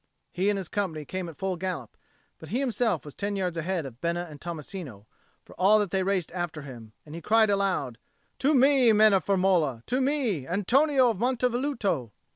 He and his company came at full gallop; but he himself was ten yards ahead of Bena and Tommasino, for all that they raced after him. And he cried aloud, "To me, men of Firmola, to me, Antonio of Monte Velluto!"